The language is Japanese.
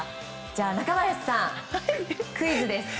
じゃあ、中林さんクイズです！